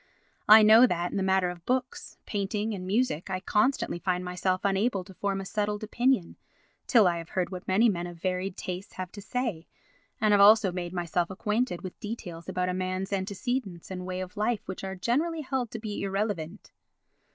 I know that in the matter of books, painting and music I constantly find myself unable to form a settled opinion till I have heard what many men of varied tastes have to say, and have also made myself acquainted with details about a man's antecedents and ways of life which are generally held to be irrelevant.